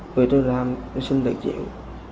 vì tôi làm tôi xin tiền chịu